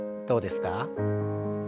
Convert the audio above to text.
どうですか？